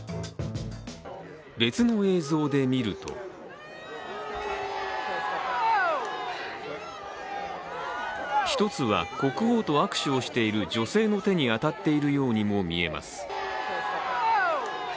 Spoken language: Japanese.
別の映像で見ると一つは国王と握手をしている女性の手に当たっているようにも見えます。